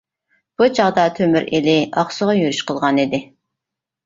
بۇ چاغدا تۆمۈر ئېلى ئاقسۇغا يۈرۈش قىلغان ئىدى.